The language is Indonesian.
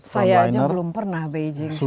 saya aja belum pernah beijing ke siang